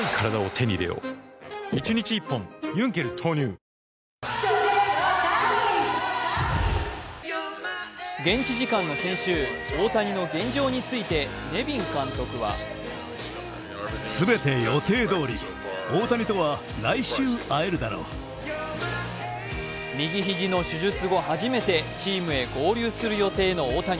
ぷっ事実「特茶」現地時間の先週、大谷の現状についてネビン監督は右肘の手術後初めてチームへ合流する予定の大谷。